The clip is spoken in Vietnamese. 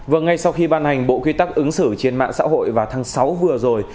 vâng ngay sau khi ban hành bộ quy tắc ứng xử trên mạng xã hội vào tháng sáu vừa rồi